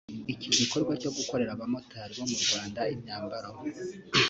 “Iki gikorwa cyo gukorera abamotari bo mu Rwanda imyambaro